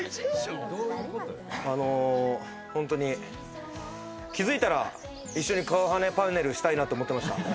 あの、ホントに気づいたら一緒に顔ハメパネルしたいなって思ってました。